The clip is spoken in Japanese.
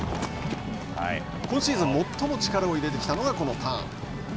今シーズン最も力を入れてきたのがこのターン。